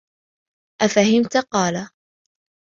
أَفَهِمْت ؟ قَالَ